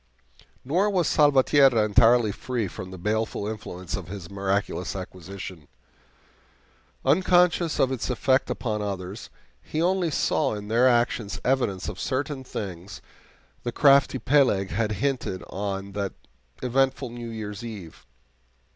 Nor was Salvatierra entirely free from the baleful influence of his miraculous acquisition. Unconscious of its effect upon others, he only saw in their actions evidence of certain things that the crafty Peleg had hinted on that eventful New Year's eve.